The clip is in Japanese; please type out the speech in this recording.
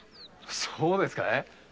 そうですかい？